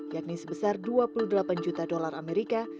yakni sebesar dua puluh delapan juta dolar amerika